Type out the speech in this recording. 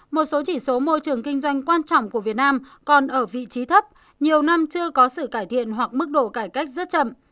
một số chỉ số môi trường kinh doanh quan trọng của việt nam còn ở vị trí thấp nhiều năm chưa có sự cải thiện hoặc mức độ cải cách rất chậm